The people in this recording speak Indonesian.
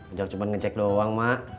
udah cuma ngecek doang mak